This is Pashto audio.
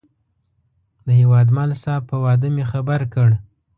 د هیوادمل صاحب په وعده مې خبر کړ.